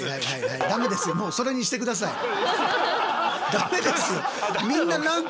ダメです。